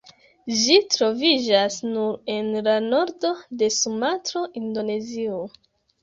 Ĝi troviĝas nur en la nordo de Sumatro, Indonezio.